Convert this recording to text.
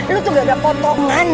lu tuh gak ada potongan